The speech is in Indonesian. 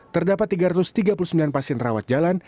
terdapat tiga ratus tiga puluh sembilan pasien rawat jalan